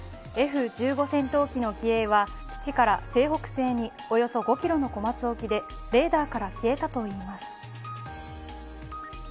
Ｆ‐１５戦闘機の機影は基地から西北西におよそ５キロの小松沖でレーダーから消えたといいます。